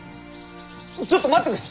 ちょっと待ってくれ！